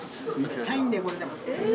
痛いんだよ、これが。